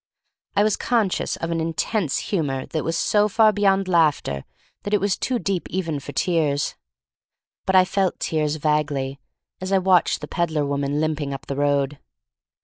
I was conscious of an intense humor that was so far beyond laughter that it was too deep even for tears. But I felt tears vaguely as I watched the peddler woman limping up the road.